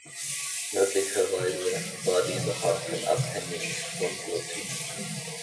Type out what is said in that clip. Möglicherweise war dieser Hafen abhängig von Gortyn.